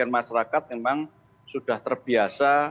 memang sudah terbiasa